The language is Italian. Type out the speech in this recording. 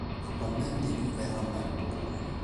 Attualmente vive a Melbourne.